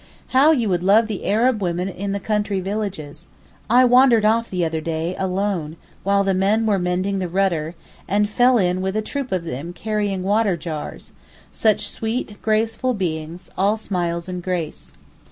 How you would love the Arab women in the country villages. I wandered off the other day alone, while the men were mending the rudder, and fell in with a troop of them carrying water jars—such sweet, graceful beings, all smiles and grace.